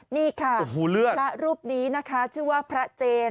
นี่ค่ะพระรูปนี้นะคะชื่อว่าพระเจน